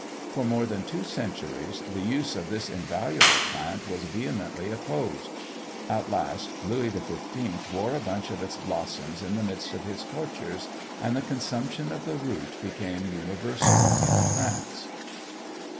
For more than two centuries, the use of this invaluable plant was vehemently opposed: at last, Louis XV. wore a bunch of its blossoms in the midst of his courtiers, and the consumption of the root became universal in France.